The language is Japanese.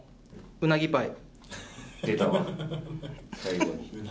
「うなぎパイ」。